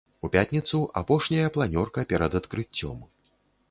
У пятніцу апошняя планёрка перад адкрыццём.